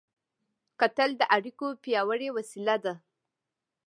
کتل د اړیکو پیاوړې وسیله ده